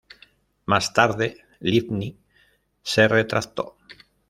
Más tarde Livni se retractó.